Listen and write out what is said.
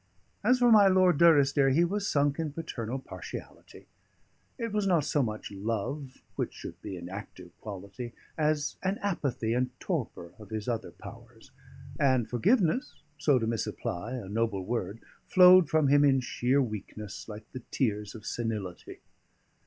As for my Lord Durrisdeer, he was sunk in parental partiality; it was not so much love, which should be an active quality, as an apathy and torpor of his other powers; and forgiveness (so to misapply a noble word) flowed from him in sheer weakness, like the tears of senility.